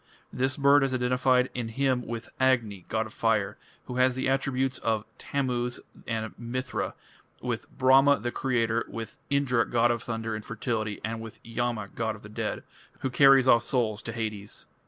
This bird is identified in a hymn with Agni, god of fire, who has the attributes of Tammuz and Mithra, with Brahma, the creator, with Indra, god of thunder and fertility, and with Yama, god of the dead, who carries off souls to Hades.